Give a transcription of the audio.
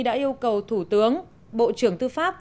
đã yêu cầu thủ tướng bộ trưởng tư pháp